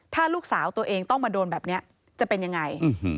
ถ้าลูกสาวตัวเองต้องมาโดนแบบนี้จะเป็นยังไง